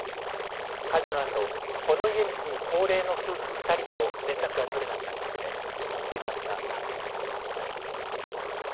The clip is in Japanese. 火事のあと、この家に住む高齢の夫婦２人と連絡が取れなくなっていて警察が確認を進めています。